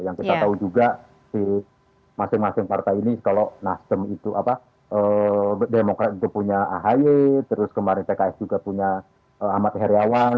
yang kita tahu juga si masing masing partai ini kalau nasdem itu apa demokrat itu punya ahy terus kemarin pks juga punya ahmad heriawan